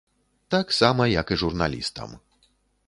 Таксама, як і журналістам.